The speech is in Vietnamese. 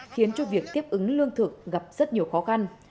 khiến cho việc tiếp ứng lương thực gặp rất nhiều khó khăn